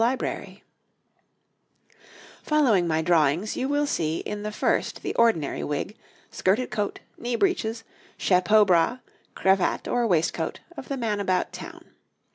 ] Following my drawings, you will see in the first the ordinary wig, skirted coat, knee breeches, chapeau bras, cravat or waistcoat, of the man about town.